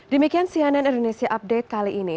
demikian cnn indonesia update kali ini